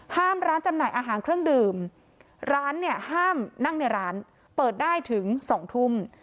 ห้ามร้านจำหน่ายอาหารเครื่องดื่มร้านเนี่ยห้ามนั่งในร้านเปิดได้ถึง๒ทุ่ม